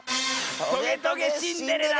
「トゲトゲ・シンデレラ」！